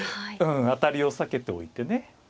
当たりを避けておいてね